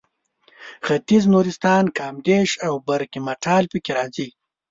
ختیځ نورستان کامدېش او برګمټال پکې راځي.